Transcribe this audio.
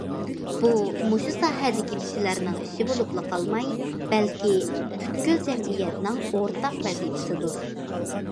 بۇ مۇشۇ ساھەدىكى كىشىلەرنىڭ ئىشى بولۇپلا قالماي، بەلكى پۈتكۈل جەمئىيەتنىڭ ئورتاق ۋەزىپىسىدۇر.